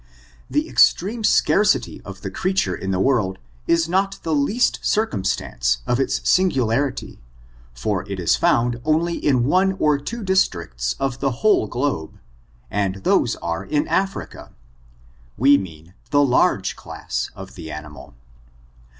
The extreme scarcity of the creature in the world is not the letut circumstance of its singu ': ^#%tf%tf«l^^#%Mtf^^ . 828 ORIGIN, CHARACTER, AND larity, for it is found only in one or two districts of the whole globe, and those are in Africa ; we mean the large class of the animal.